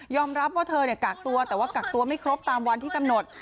รับว่าเธอกากตัวแต่ว่ากักตัวไม่ครบตามวันที่กำหนด